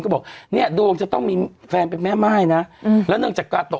ก็บอกเนี่ยโดมจะต้องมีแฟนเป็นแม่ม่ายนะอืมแล้วเนื่องจากกาโตะ